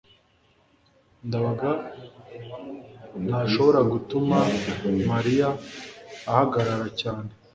ndabaga ntashobora gutuma mariya ahagarara cyane